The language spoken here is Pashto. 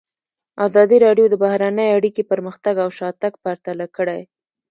ازادي راډیو د بهرنۍ اړیکې پرمختګ او شاتګ پرتله کړی.